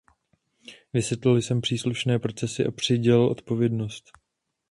Vysvětlili jsme příslušné procesy a přidělili odpovědnost.